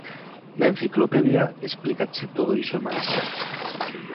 Na enciclopedia explícache todo iso e máis